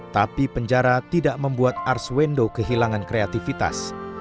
tapi penjara tidak membuat arswendo kehilangan kreativitas